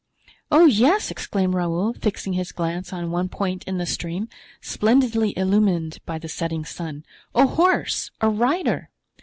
"Oh, yes," exclaimed Raoul, fixing his glance on one point in the stream, splendidly illumined by the setting sun, "a horse, a rider!"